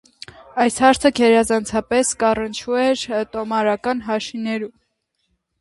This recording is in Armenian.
Այս հարցը գերազանցապէս կ՛առնչուէր տոմարական հաշիւներու։